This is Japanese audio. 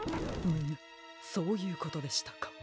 ムムッそういうことでしたか。